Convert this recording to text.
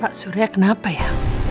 pak surya kenapa ya